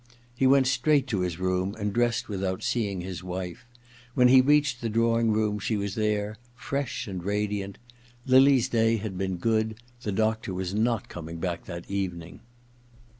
He went straight to his room and dressed without seeing his wife. When he reached the drawing room she was there, fresh and radiant. Lily's day had been good ; the doctor was not coming back that evening.